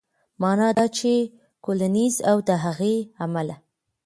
معنا دا چې کولینز او د هغې عمله